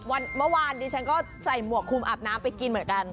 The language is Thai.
เมื่อวานนี้ฉันก็ใส่หมวกคุมอาบน้ำไปกินเหมือนกัน